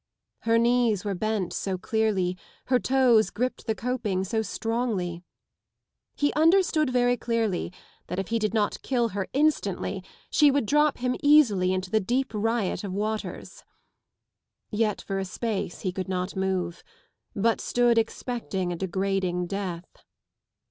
Her knees were bent so clearly, her toes gripped the coping so strongly. He understood very dearly that 110 if he did not kill her instantly she would drop him easily into the deep riot of waters. Yet for a space he could not move, hut stood expecting a degrading death.